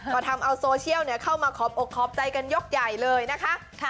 ก็ทำเอาโซเชียลเข้ามาขอบอกขอบใจกันยกใหญ่เลยนะคะ